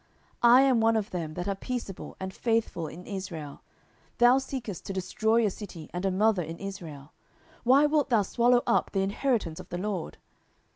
10:020:019 I am one of them that are peaceable and faithful in Israel: thou seekest to destroy a city and a mother in Israel: why wilt thou swallow up the inheritance of the LORD?